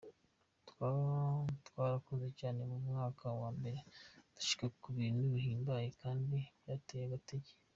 "Twarakoze cane mu mwaka wa mbere dushika ku bintu bihimbaye, kandi vyanteye agateka.